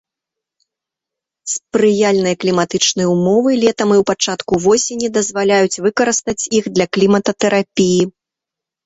Спрыяльныя кліматычныя ўмовы летам і ў пачатку восені дазваляюць выкарыстаць іх для клімататэрапіі.